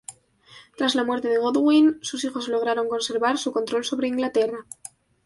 Tras la muerte de Godwin, sus hijos lograron conservar su control sobre Inglaterra.